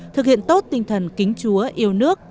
thực hiện tốt tinh thần kính chúa yêu nước